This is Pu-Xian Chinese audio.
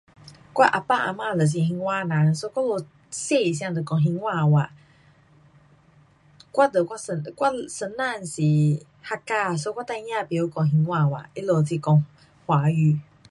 我啊爸啊妈都是兴华人 so 我们小的时间都将兴华话，我跟我先，我先生是 Hakka，so 我孩儿不会讲兴华话，他们是讲华语。